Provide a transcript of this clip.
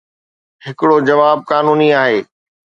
ھڪڙو جواب قانوني آھي.